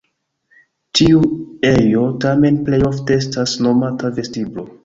Tiu ejo tamen plej ofte estas nomata vestiblo.